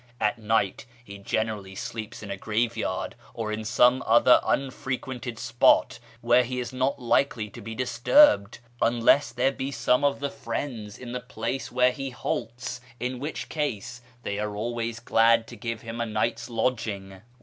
At night he generally sleeps in a graveyard, or in some other unfrequented spot where he is not likely to be disturbed, unless there be some of ' the Friends ' in the place where he halts, in which case they are always glad to give him a night's lodging.